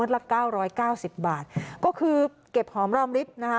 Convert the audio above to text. ละ๙๙๐บาทก็คือเก็บหอมร่อมลิฟต์นะคะ